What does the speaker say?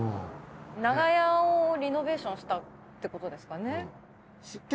長屋をリノベーションしたってことですかね。